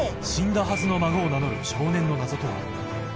死んだはずの孫を名乗る少年の謎とは？